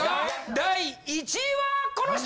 第１位はこの人！